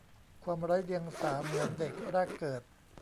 ความไร้เดียงสาเหมือนเด็กแรกเกิด